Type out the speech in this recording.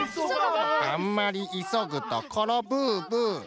あんまりいそぐところブーブー。